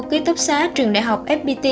ký túc xá trường đại học fpt